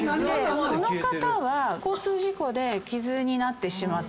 この方は交通事故で傷になってしまったと。